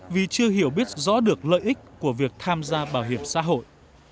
vì chưa hiểu biết rõ được lợi ích của việc tham gia bảo hiểm xã hội